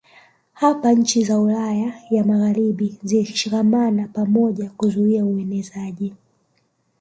Hapa nchi za Ulaya ya Magharibi zilishikamana pamoja kuzuia uenezaji